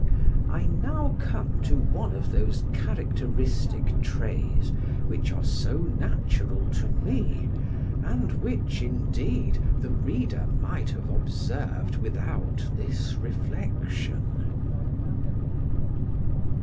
I now come to one of those characteristic traits, which are so natural to me, and which, indeed, the reader might have observed without this reflection.